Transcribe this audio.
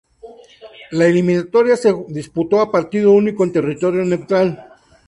La eliminatoria se disputó a partido único en terreno neutral.